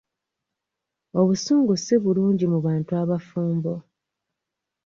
Obusungu si bulungi mu bantu abafumbo.